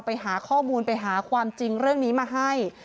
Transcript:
ไปหาข้อมูลไปหาความจริงเรื่องนี้มาให้